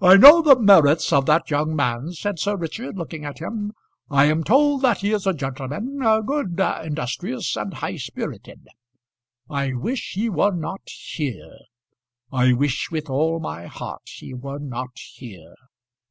"I know the merits of that young man," said Sir Richard, looking at him; "I am told that he is a gentleman, good, industrious, and high spirited. I wish he were not here; I wish with all my heart he were not here."